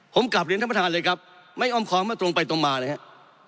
ผมกลับเรียนท่านประธานเลยครับไม่อ้อมค้อมว่าตรงไปตรงมาเลยครับ